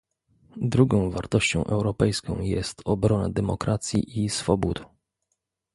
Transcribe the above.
Drugą wartością europejską jest obrona demokracji i swobód